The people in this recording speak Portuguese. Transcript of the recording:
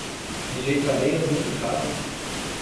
Rejeitarei as duplicatas